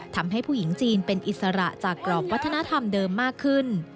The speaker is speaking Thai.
ทำให้ผู้หญิงจีนเป็นอิสระจากกรอบวัฒนธรรมเดิมมากขึ้น